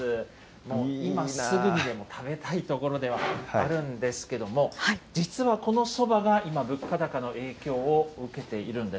もう今すぐにでも食べたいところではあるんですけれども、実はこのそばが今、物価高の影響を受けているんです。